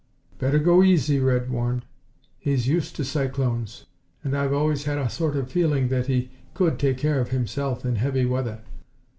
"Better go easy," Red warned. "He's used to cyclones, and I've always had a sort of feeling that he could take care of himself in heavy weather."